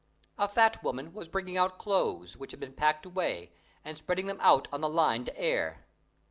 A fat woman was bringing out clothes, which had been packed away, and spreading them out on the line to air.